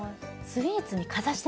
スイーツにかざす？